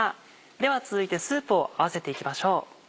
では続いてスープを合わせていきましょう。